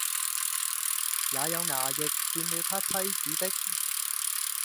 也有衙役佔了他妻子的，